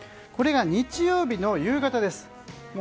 これが日曜日の夕方です。